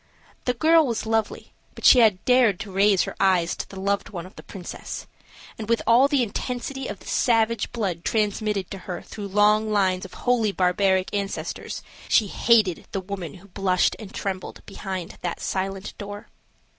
The girl was lovely, but she had dared to raise her eyes to the loved one of the princess; and, with all the intensity of the savage blood transmitted to her through long lines of wholly barbaric ancestors, she hated the woman who blushed and trembled behind that silent door.